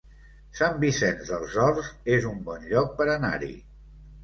Sant Vicenç dels Horts es un bon lloc per anar-hi